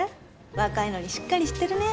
若いのにしっかりしてるね。